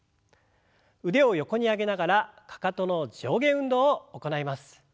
腕を横に上げながらかかとの上下運動を行います。